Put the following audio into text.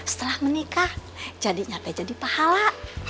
setelah menikah jadi nyampe jadi pahala